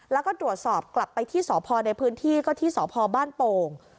แล้วก็ตรวจสอบกลับไปที่สพในพื้นที่ก็ที่สพบ้านโป่ง